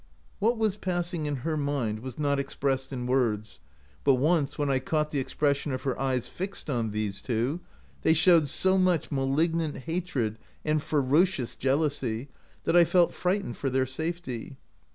What was passing in her mind was not expressed in words, but once when I caught the ex pression of her eyes fixed on these two, they showed so much malignant hatred and fe rocious jealousy that I felt frightened for their safety.